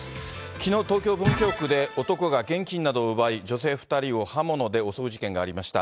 きのう、東京・文京区で男が現金などを奪い、女性２人を刃物で襲う事件がありました。